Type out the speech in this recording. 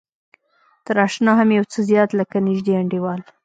تر اشنا هم يو څه زيات لکه نژدې انډيوال.